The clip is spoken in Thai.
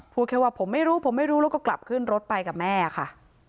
พูดแค่ว่าผมไม่รู้ผมไม่รู้แล้วก็กลับขึ้นรถไปกับแม่ค่ะ